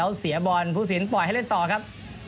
เขาเสียบอลผู้สินปล่อยให้เล่นต่อครับ